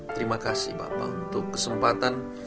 terima kasih bapak untuk kesempatan